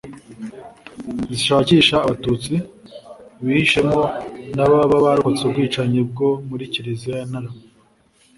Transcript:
zishakisha Abatutsi bihishemo n’ababa bararokotse ubwicanyi bwo muri Kiliziya ya Ntarama